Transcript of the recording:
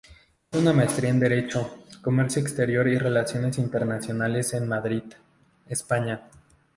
Hizo una maestría en derecho, comercio exterior y relaciones internacionales en Madrid, España.